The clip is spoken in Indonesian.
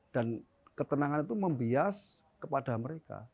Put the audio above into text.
dan ketenangan itu membias kepada mereka